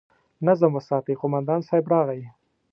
نظم وساتئ! قومندان صيب راغی!